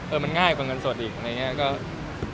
มันง่ายกว่าเงินสดอีกอะไรอย่างนี้